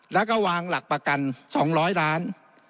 แล้วก็วางหลักประกัน๒๐๐ล้าน